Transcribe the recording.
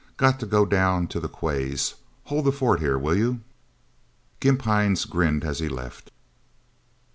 Got to go down to the quays. Hold the fort, here, will you?" Gimp Hines grinned as he left.